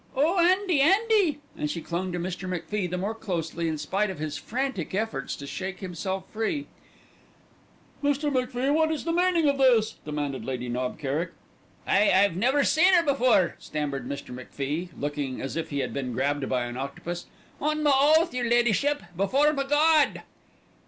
Oh! Andy, Andy!" and she clung to Mr. MacFie the more closely in spite of his frantic efforts to shake himself free. "Mr. MacFie, what is the meaning of this?" demanded Lady Knob Kerrick. "I've I've never seen her before," stammered Mr. MacFie, looking as if he had been grabbed by an octopus. "On ma oath, your Leddyship. Before ma God!"